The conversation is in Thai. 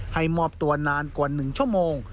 มอบตัวนานกว่า๑ชั่วโมง